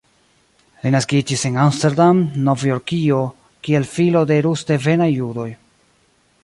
Li naskiĝis en Amsterdam, Novjorkio, kiel filo de rus-devenaj judoj.